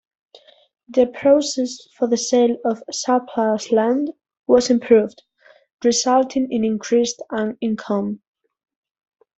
The process for the sale of surplus land was improved, resulting in increased income.